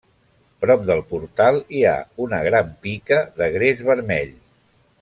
Prop del portal hi ha una gran pica de gres vermell.